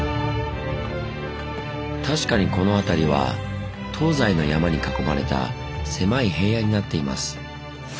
確かにこの辺りは東西の山に囲まれた狭い平野になっています。